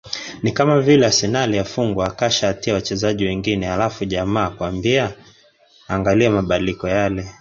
"Ni kama vile Arsenali afungwe kasha atie wachezaji wengine halafu jamaa akwambie, angalia mabadiliko yale"